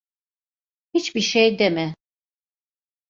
Hiçbir şey deme.